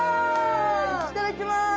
いただきます！